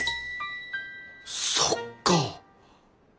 そっか！